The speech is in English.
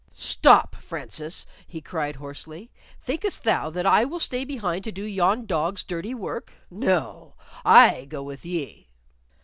"Stop, Francis!" he cried, hoarsely. "Thinkest thou that I will stay behind to do yon dog's dirty work? No; I go with ye."